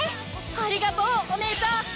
ありがとうお姉ちゃん！